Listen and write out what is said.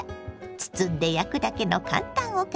包んで焼くだけの簡単おかず。